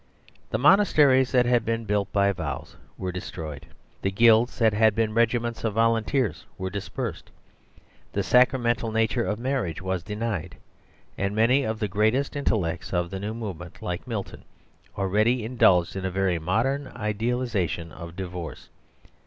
The monasteries, that had been built by vows, were destroyed. The guilds, that had been regiments of volunteers, were dispersed. The sacramental nature of marriage was denied ; and many of the great est intellects of the new movement, like Mil ton, already indulged in a very modern ideal isation of divorce.